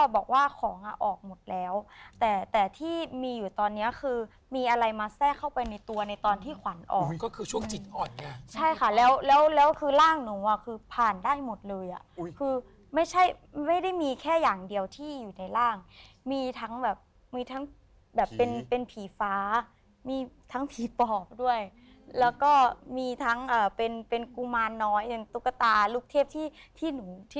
บอกว่าของอ่ะออกหมดแล้วแต่แต่ที่มีอยู่ตอนเนี้ยคือมีอะไรมาแทรกเข้าไปในตัวในตอนที่ขวัญออกมันก็คือช่วงจิตอ่อนไงใช่ค่ะแล้วแล้วคือร่างหนูอ่ะคือผ่านได้หมดเลยอ่ะคือไม่ใช่ไม่ได้มีแค่อย่างเดียวที่อยู่ในร่างมีทั้งแบบมีทั้งแบบเป็นเป็นผีฟ้ามีทั้งผีปอบด้วยแล้วก็มีทั้งเป็นเป็นกุมารน้อยเป็นตุ๊กตาลูกเทพที่ที่หนูท